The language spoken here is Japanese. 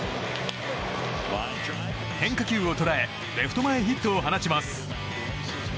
変化球を捉えレフト前ヒットを放ちます。